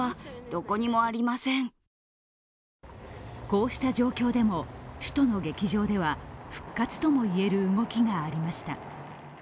こうした状況でも、首都の劇場では復活ともいえる動きがありました。